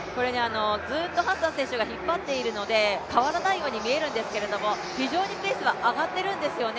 ずっとハッサン選手が引っ張っているので、変わらないように見えるんですけれども、非常にペースは上がっているんですよね。